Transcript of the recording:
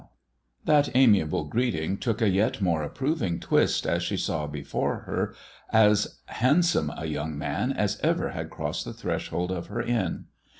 i THE DWARF S CHAMBER 9 That amiable greeting took a yet more approving twist as she saw before her as handsome a young man as ever had crossed the threshold of her inn.